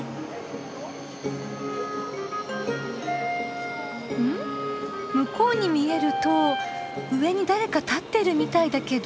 向こうに見える塔上に誰か立ってるみたいだけど。